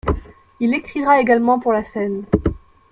Il écrira également pour la scène.